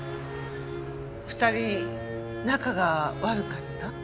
２人仲が悪かった？